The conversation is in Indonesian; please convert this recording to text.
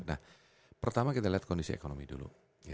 nah pertama kita lihat kondisi ekonomi dulu